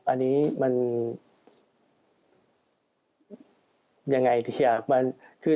อันนี้มันยังไงที่อยาก